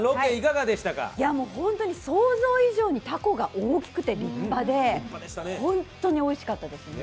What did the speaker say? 本当に想像以上にタコが大きくて立派で本当においしかったです。